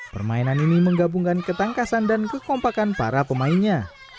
permainan ini menggabungkan ketangkasan dan kekompakan para pemainnya